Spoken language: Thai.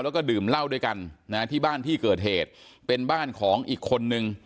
แล้วก็ดื่มเหล้าด้วยกันนะที่บ้านที่เกิดเหตุเป็นบ้านของอีกคนนึง